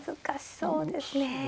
そうですね。